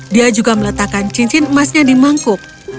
dia juga meletakkan cincin emasnya di mangkuk